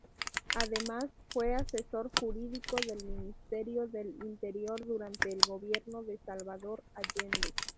Además, fue asesor jurídico del Ministerio del Interior durante el gobierno de Salvador Allende.